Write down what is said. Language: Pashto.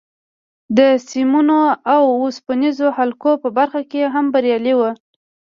د سیمونو او اوسپنیزو حلقو په برخه کې هم بریالی و